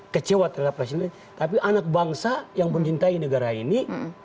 kecewa terhadap presiden tapi anak bangsa yang mencintai negara ini